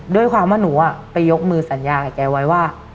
ด้วยความว่าหนูไปยกมือสัญญากับแกไว้ว่า